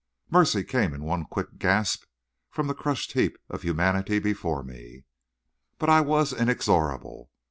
"Mercy!" came in one quick gasp from the crushed heap of humanity before me. But I was inexorable.